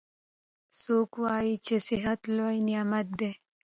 څوک وایي چې صحت لوی نعمت ده